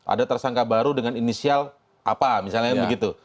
ada tersangka baru dengan inisial apa misalnya begitu